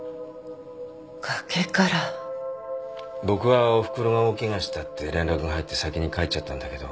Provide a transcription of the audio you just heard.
僕はおふくろが大ケガしたって連絡が入って先に帰っちゃったんだけど。